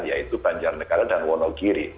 yaitu banjarnegara dan wonogiri